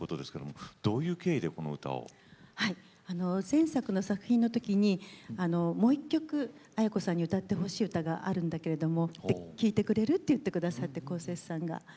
前作の作品の時にもう一曲あや子さんに歌ってほしい歌があるんだけれども聴いてくれる？って言ってくださってこうせつさんが。